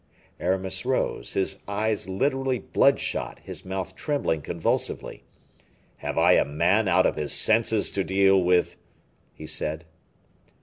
Aramis rose, his eyes literally bloodshot, his mouth trembling convulsively. "Have I a man out of his senses to deal with?" he said.